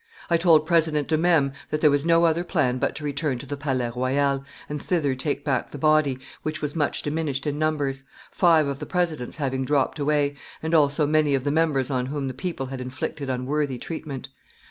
I told President de Mesmes that there was no other plan but to return to the Palais Royal and thither take back the body, which was much diminished in numbers, five of the presidents having dropped away, and also many of the members on whom the people had inflicted unworthy treatment."